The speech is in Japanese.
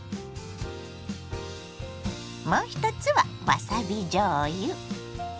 もう一つはわさびじょうゆ。